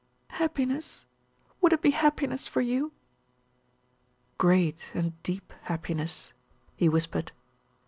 "Happiness? Would it be happiness for you?" "Great and deep happiness," he whispered.